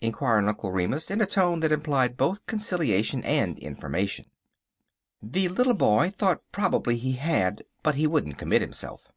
inquired Uncle Remus, in a tone that implied both conciliation and information. The little boy thought probably he had, but he wouldn't commit himself.